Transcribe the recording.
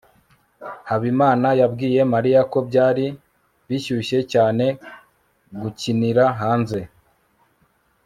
habimana yabwiye mariya ko byari bishyushye cyane gukinira hanze